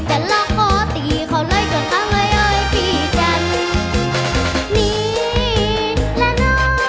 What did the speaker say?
จะเลิกเกินจะไปข้าง